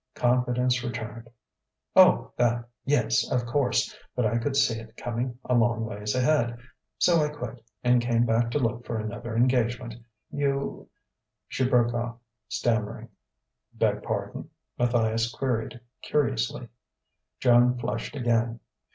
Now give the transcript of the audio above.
Confidence returned.... "Oh, that! Yes, of course. But I could see it coming a long ways ahead. So I quit, and came back to look for another engagement. You " She broke off, stammering. "Beg pardon?" Matthias queried curiously. Joan flushed again.